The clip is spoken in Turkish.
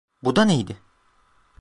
Bu da neydi?